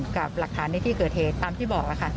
กับหลักฐานในที่เกิดเหตุตามที่บอกค่ะ